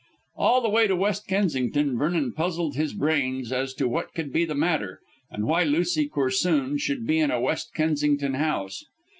All the way to West Kensington Vernon puzzled his brains as to what could be the matter, and why Lucy Corsoon should be in a West Kensington house.